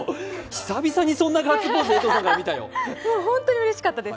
久々にそんなガッツポーズ江藤さんから見たらよ。